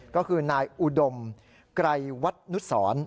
ก็คือนายอุดมไกรวัตนุสร